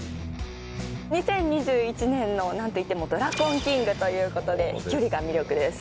２０２１年のなんといってもドラコンキングという事で飛距離が魅力です。